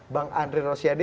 bang andri rosiade